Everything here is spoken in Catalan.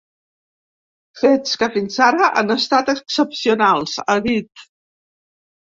Fets que fins ara han estat excepcionals, ha dit.